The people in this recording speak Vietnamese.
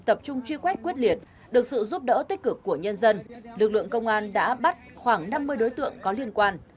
và dũng cảm cứu một đồng chí công an đã bắt khoảng năm mươi đối tượng có liên quan